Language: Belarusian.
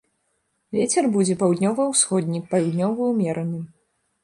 Вецер будзе паўднёва-ўсходні, паўднёвы ўмераны.